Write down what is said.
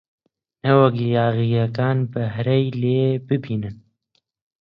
نەوەک یاغییەکان بەهرەی لێ ببینن!